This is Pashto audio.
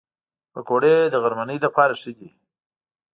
پکورې د غرمنۍ لپاره ښه دي